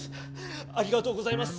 ありがとうございます。